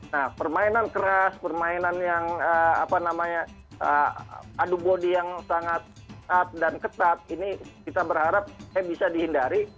nah permainan keras permainan yang apa namanya adu bodi yang sangat dan ketat ini kita berharap bisa dihindari